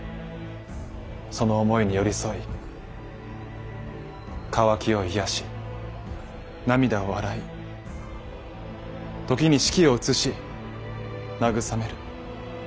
その思いに寄り添い渇きを癒やし涙を洗い時に四季を映し慰める。